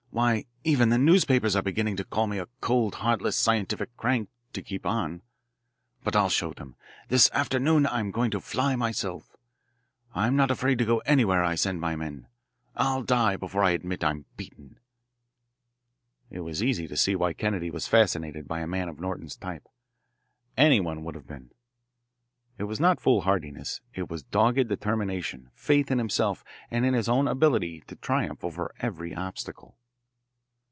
Why, even the newspapers are beginning to call me a cold, heartless, scientific crank, to keep on. But I'll show them this afternoon I'm going to fly myself. I'm not afraid to go anywhere I send my men. I'll die before I'll admit I'm beaten." It was easy to see why Kennedy was fascinated by a man of Norton's type. Anyone would have been. It was not foolhardiness. It was dogged determination, faith in himself and in his own ability to triumph over every obstacle.